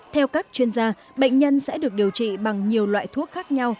theo các chuyên gia bệnh nhân sẽ được điều trị bằng nhiều loại thuốc khác nhau